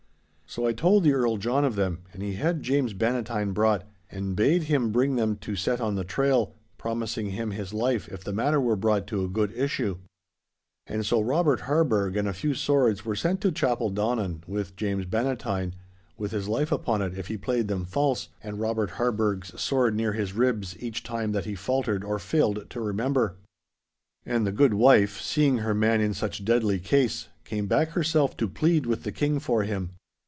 So I told the Earl John of them, and he had James Bannatyne brought, and bade him bring them to set on the trail, promising him his life if the matter were brought to a good issue. 'And so Robert Harburgh and a few swords were sent to Chapeldonnan with James Bannatyne—with his life upon it if he played them false, and Robert Harburgh's sword near his ribs each time that he faltered or failed to remember. And the good wife, seeing her man in such deadly case, came back herself to plead with the King for him.